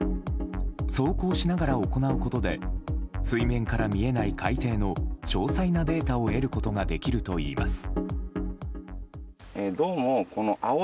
走行しながら行うことで水面から見えない海底の詳細なデータを得ることができるといいます。